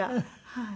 はい。